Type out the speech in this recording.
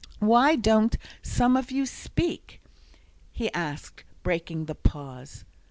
"Why don't some of you speak?" he asked, breaking the pause.